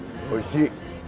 おいしい。